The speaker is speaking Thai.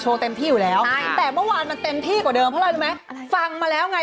เต็มที่อยู่แล้วใช่แต่เมื่อวานมันเต็มที่กว่าเดิมเพราะอะไรรู้ไหมฟังมาแล้วไง